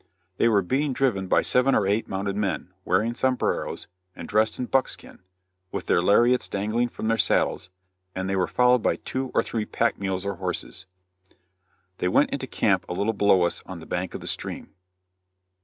They were being driven by seven or eight mounted men, wearing sombreros, and dressed in buckskin, with their lariats dangling from their saddles, and they were followed by two or three pack mules or horses. They went into camp a little below us on the bank of the stream.